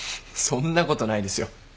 そんなことないですよ。